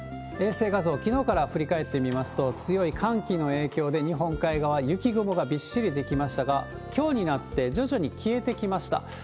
衛星画像、きのうから振り返ってみますと、強い寒気の影響で、日本海側、雪雲がびっしり出来ましたが、きょうになって、徐々に消えてきました。